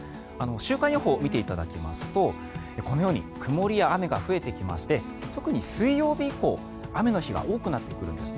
週間予報を見ていただきますとこのように曇りや雨が増えてきまして特に水曜日以降雨の日が多くなってくるんです。